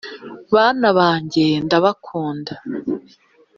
bana banjye ndabakunda